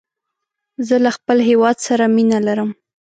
زه له خپل هېواد سره مینه لرم